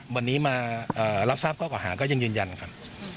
วันนี้มารับทราบข้อเก่าหาก็ยังยืนยันครับ